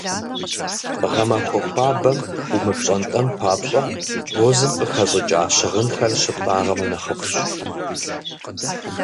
Гъэмахуэ хуабэм умыпщӏэнтӏэн папщӏэ, бозым къыхэщӏыкӏа щыгъынхэр щыптӏагъэмэ, нэхъыфӏщ.